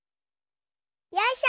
よいしょ。